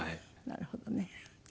なるほどね。